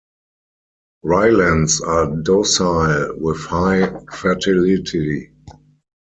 Ryelands are docile with high fertility.